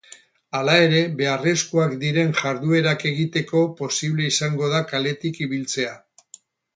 Hala ere, beharrezkoak diren jarduerak egiteko posible izango da kaletik ibiltzea.